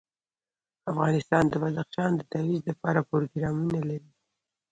افغانستان د بدخشان د ترویج لپاره پروګرامونه لري.